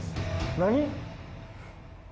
何？